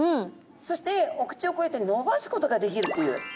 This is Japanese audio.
そしてお口をこうやって伸ばすことができるという。